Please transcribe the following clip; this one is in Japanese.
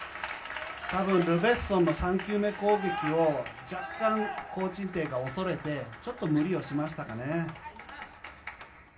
多分ルベッソンの３球目攻撃を若干、コウ・チンテイが抑えてちょっと無理をしましたかね。